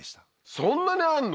そんなにあんの？